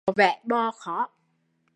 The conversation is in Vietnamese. Mặt có vè bó khó